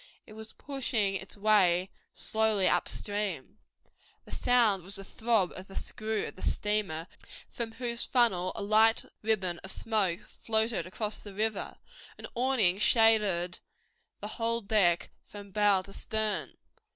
It was pushing its way slowly up stream. The sound was the throb of the screw of the steamer from whose funnel a light ribbon of smoke floated across the river. An awning shaded the whole deck from bow to stern.